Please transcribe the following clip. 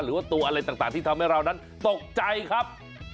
หรือว่าตัวอะไรต่างที่ทำให้เรานั้นตกใจครับ